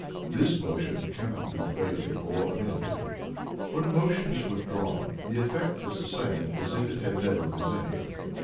This motion cannot be debated or amended. When a motion is withdrawn, the effect is the same as if it had never been made.